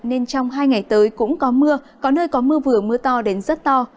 nên trong hai ngày tới cũng có mưa có nơi có mưa vừa mưa to đến rất to